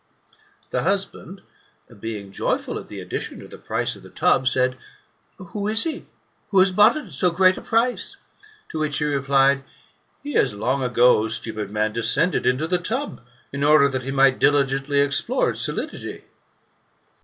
'* The husband, being joyful 146 THK METAMORPHOSIS, OR at the addition to the price of the tub, said, " Who is he, who has bought it at so great a price ? To which she replied, " He has long ago, O stupid man, descended into the tub, in order that he might diligently explore its solidity."